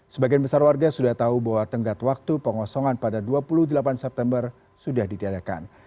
sebagian besar warga sudah tahu bahwa tenggat waktu pengosongan pada dua puluh delapan september sudah ditiadakan